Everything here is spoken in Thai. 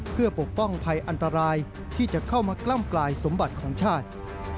เพื่อปกป้องภัยอันตรายที่จะเข้ามากล้ำกลายสมบัติของชาติ